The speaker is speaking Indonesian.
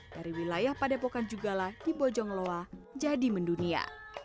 dari wilayah pada epokan juga lah di bojong loa jadi mendunia